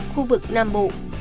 khu vực nam bộ